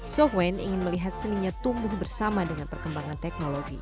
soven ingin melihat seninya tumbuh bersama dengan perkembangan teknologi